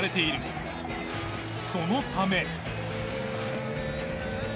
そのため。